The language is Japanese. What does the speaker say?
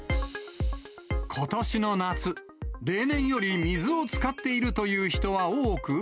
ことしの夏、例年より水を使っているという人は多く。